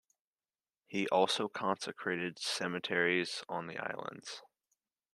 He also consecrated cemeteries on the Islands.